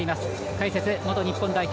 解説は元日本代表